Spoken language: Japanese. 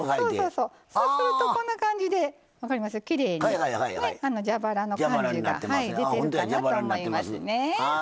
そうすると、こんな感じできれいに蛇腹の感じが出てるかなと思いますね。